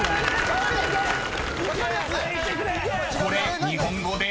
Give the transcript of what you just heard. ［これ日本語で？］